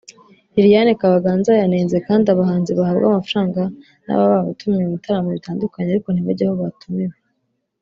Liliane Kabaganza yanenze kandi abahanzi bahabwa amafaranga n’ababa babatumiye mu bitaramo bitandukanye ariko ntibajye aho batumiwe